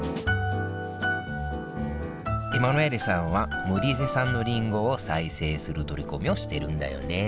エマヌエーレさんはモリーゼ産のりんごを再生する取り組みをしてるんだよね